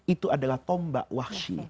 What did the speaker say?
itu adalah tombak wahsy